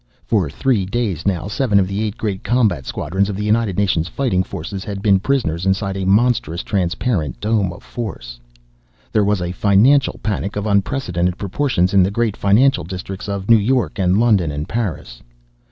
For three days, now, seven of the eight great combat squadrons of the United Nations Fighting Forces had been prisoners inside a monstrous transparent dome of force. There was a financial panic of unprecedented proportions in the great financial districts of New York and London and Paris.